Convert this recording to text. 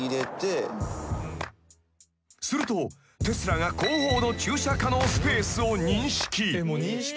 ［するとテスラが後方の駐車可能スペースを認識］